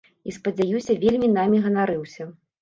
І, спадзяюся, вельмі намі ганарыўся.